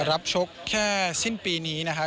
ชกแค่สิ้นปีนี้นะครับ